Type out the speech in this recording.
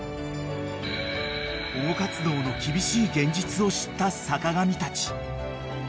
［保護活動の厳しい現実を知った坂上たち］